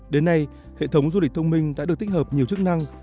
đến nay hệ thống du lịch thông minh đã được tích hợp nhiều chức năng